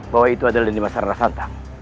bahwa itu adalah nimasarara santang